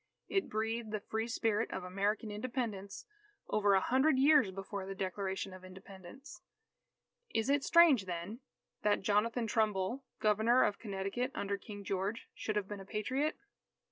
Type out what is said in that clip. It breathed the free spirit of American Independence over a hundred years before the Declaration of Independence. Is it strange, then, that Jonathan Trumbull, Governor of Connecticut under King George, should have been a Patriot?